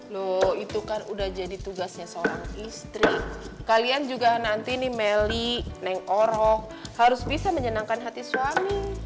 loh itu kan udah jadi tugasnya seorang istri kalian juga nanti ini melly nengoroh harus bisa menyenangkan hati suami